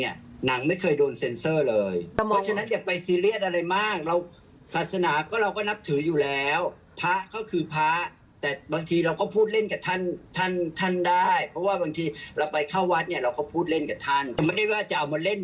อย่าเครียดหรืออย่าซีเรียสเลยครับ